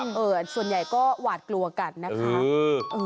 ฝ่ามค่ะค่ะส่วนใหญ่ก็หวาดกลัวกันนะคะเออ